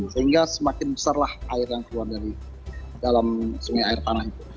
sehingga semakin besarlah air yang keluar dari dalam sungai air tanah itu